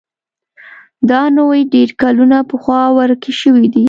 دا نوعې ډېر کلونه پخوا ورکې شوې دي.